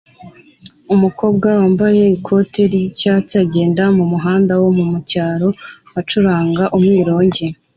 Umukobwa wambaye ikote ryatsi agenda mumuhanda wo mucyaro acuranga umwironge